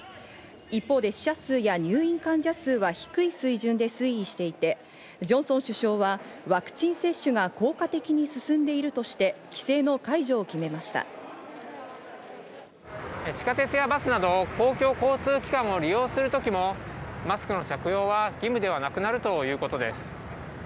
一方で死者数や入院患者数は低い水準で推移していて、ジョンソン首相はワクチン接種が効果的に進んでいるとして規制の解除を決め地下鉄やバスなど公共交通機関を利用する時もマスクの着用は義務ではなくなるということです。